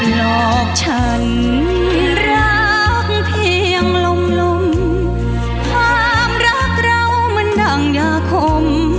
หลอกฉันรักเพียงลมลมความรักเรามันดังยาคม